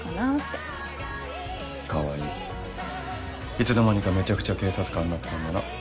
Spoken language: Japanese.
いつの間にかめちゃくちゃ警察官になってたんだな。